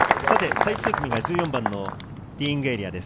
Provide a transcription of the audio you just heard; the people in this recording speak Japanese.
最終組が１４番のティーイングエリアです。